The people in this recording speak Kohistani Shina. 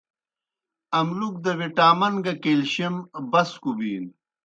اَملُک دہ وٹامن گہ کیلشیم بسکوْ بِینوْ